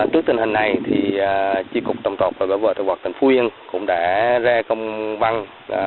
trước tình hình này tri cục trồng trọt và bảo vệ thực vật tỉnh phú yên cũng đã ra công văn